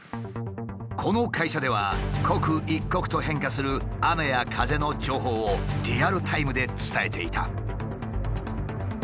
この会社では刻一刻と変化する雨や風の情報をリアルタイムで伝えていた。